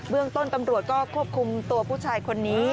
เรื่องต้นตำรวจก็ควบคุมตัวผู้ชายคนนี้